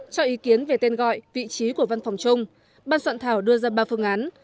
cho ý kiến về tên gọi vị trí của văn phòng chung ban soạn thảo đưa ra ba phương án